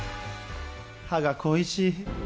歯が恋しい。